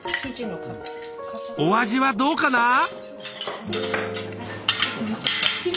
お味はどうかな？